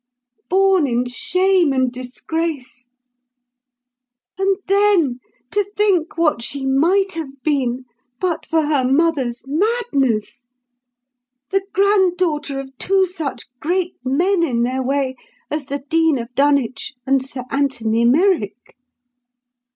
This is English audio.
Born in shame and disgrace! And then, to think what she might have been, but for her mother's madness! The granddaughter of two such great men in their way as the Dean of Dunwich and Sir Anthony Merrick!